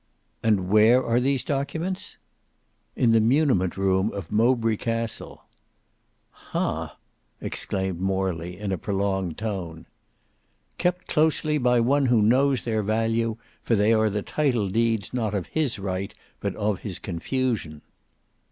"And where are these documents?" "In the muniment room of Mowbray castle." "Hah!" exclaimed Morley in a prolonged tone. "Kept closely by one who knows their value, for they are the title deeds not of his right but of his confusion."